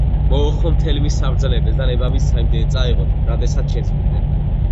მოუხმო მთელ მის საბრძანებელს და ნება მისცა იმდენი წაეღოთ, რამდენსაც შეძლებდნენ.